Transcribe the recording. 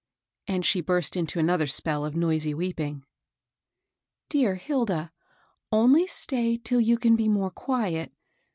'* And she burst into another spell of noisy weeping. " Dear Hilda, only stay till you can be more .quiet. .